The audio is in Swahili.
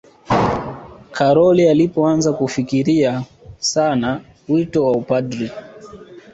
karol alipoanza kufikiria sana wito wa upadri